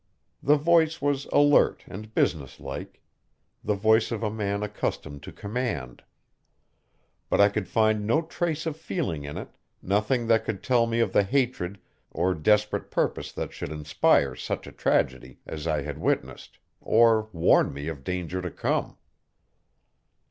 The voice was alert and businesslike the voice of a man accustomed to command. But I could find no trace of feeling in it, nothing that could tell me of the hatred or desperate purpose that should inspire such a tragedy as I had witnessed, or warn me of danger to come.